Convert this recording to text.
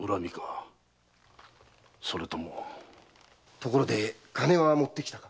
ところで金は持ってきたのか？